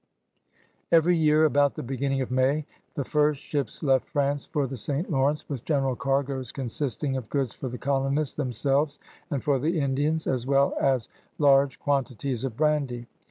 Every year, about the beginning of May, the first ships left France for the St. Lawrence with general cargoes consisting of goods for the colonists themselves and for the Indians, as well as large 200 CRUSADERS OF NEW FRANCE quantities of brandy.